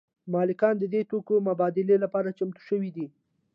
مالکان د دې توکو مبادلې لپاره چمتو شوي دي